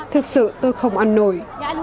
khiến thảm kịch xảy ra thật sự tôi không ăn nổi